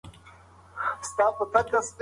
مهرباني د زړونو پاچاهي ده.